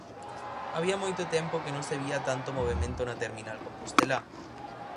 Había moito tempo que non se vía tanto movemento na terminal compostelá.